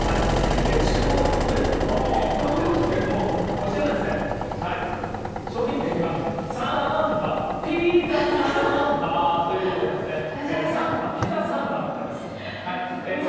中央に上様どーんと来てますけど、こちらが商品名が、サーンバ・ピーザ・サーンバということでございますね、サンバ・ピザ・サンバになってます。